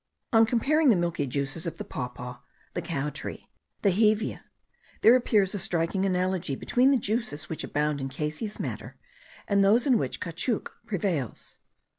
On comparing the milky juices of the papaw, the cow tree, and the hevea, there appears a striking analogy between the juices which abound in caseous matter, and those in which caoutchouc prevails.